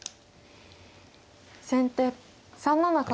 先手３七角。